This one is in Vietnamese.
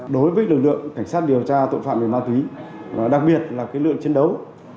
đối với lực lượng cảnh sát điều tra tội phạm về ma túy đặc biệt là lượng chiến đấu